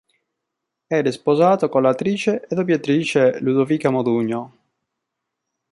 Era sposato con l'attrice e doppiatrice Ludovica Modugno.